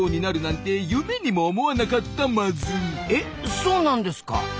そうなんですか？